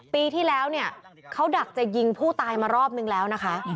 ปีที่แล้วเนี่ยเขาดักจะยิงผู้ตายมารอบนึงแล้วนะคะ